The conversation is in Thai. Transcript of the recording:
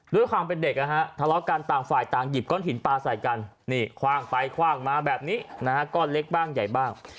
ด้วยความเป็นเด็กนะฮะทะเลาะกันต่างฝ่ายต่างหยิบก้อนหินปลาใส่กันนี่คว่างไปคว่างมาแบบนี้นะฮะก้อนเล็กบ้างใหญ่บ้าง